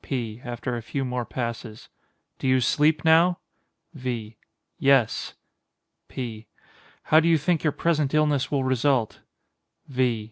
P. [After a few more passes.] Do you sleep now? V. Yes. P. How do you think your present illness will result? _V.